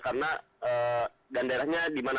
karena dandaranya di mana